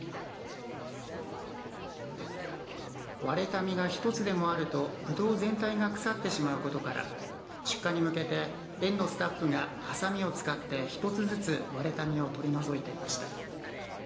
割れた実が１つでもあるとぶどう全体が腐ってしまうことから出荷に向けて園のスタッフがはさみを使って、１つずつ割れた実を取り除いていました。